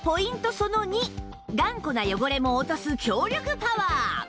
その２頑固な汚れも落とす強力パワー